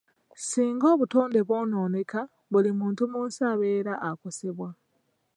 Singa obutonde bwonooneka, buli muntu mu nsi abeera akosebwa.